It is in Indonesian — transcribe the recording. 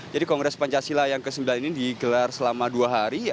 jadi kongres pancasila yang ke sembilan ini digelar selama dua hari